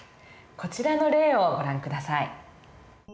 こちらの例をご覧下さい。